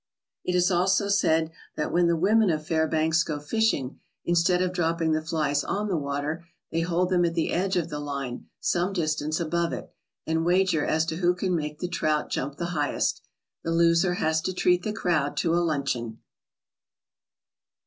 It is said also that when the women of Fairbanks go fishing, instead of dropping the flies on the water, they hold them at the edge of the line, some distance above it, and wager as to who can make the trout jump the highest. The loser has to treat the crowd to a luncheon.